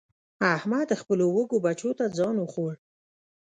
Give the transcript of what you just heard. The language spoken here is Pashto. احمد خپلو وږو بچو ته ځان وخوړ.